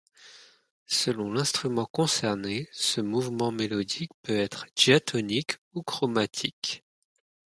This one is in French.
Selon l'instrument concerné, ce mouvement mélodique peut être diatonique ou chromatique.